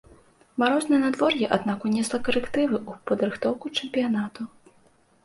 Марознае надвор'е аднак унесла карэктывы ў падрыхтоўку чэмпіянату.